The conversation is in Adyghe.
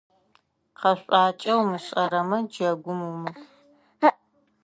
Къэшъуакӏэ умышӏэрэмэ, джэгум умыкӏу.